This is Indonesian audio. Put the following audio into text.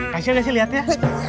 kasih aja sih lihat ya